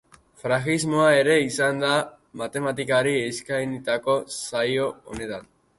Grafismoa ere izango da matematikari eskainitako saio honetan.